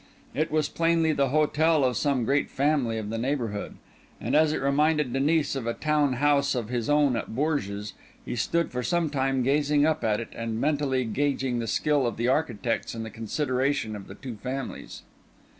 It was plainly the hotel of some great family of the neighbourhood; and as it reminded Denis of a town house of his own at Bourges, he stood for some time gazing up at it and mentally gauging the skill of the architects and the consideration of the two families.